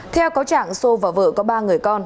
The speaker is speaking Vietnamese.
theo cáo trạng xô và vợ có ba người con